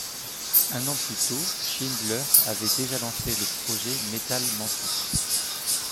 Un an plus tôt, Schindler avait déjà lancé le projet Metal Mantus.